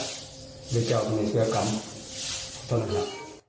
หรือเจ้าก็ไม่เชื่อกรรมขอโทษนะครับ